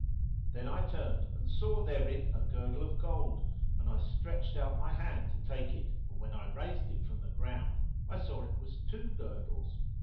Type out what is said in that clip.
Then I turned and saw therein a girdle of gold and I stretched out my hand to take it; but when I raised it from the ground, I saw it was two girdles.